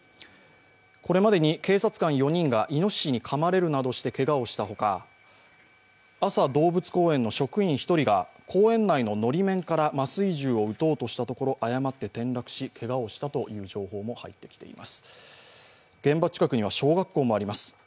これまでに警察官４人がいのししにかまれるなどしてけがをしたほか安佐動物公園の職員の１人が公園内ののり面から麻酔銃を撃とうとしたところ誤って転落しけがをしたという情報も入ってきています。